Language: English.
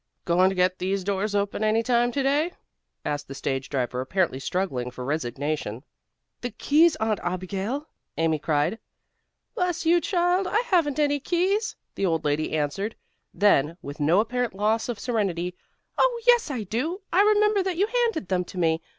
"Going to get these doors open any time to day?" asked the stage driver, apparently struggling for resignation. "The keys, Aunt Abigail!" Amy cried. "Bless you, child, I haven't any keys!" the old lady answered. Then, with no apparent loss of serenity, "Oh, yes, I do remember that you handed them to me.